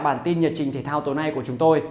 bản tin nhật trình thể thao tối nay của chúng tôi